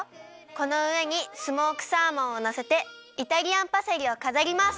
このうえにスモークサーモンをのせてイタリアンパセリをかざります。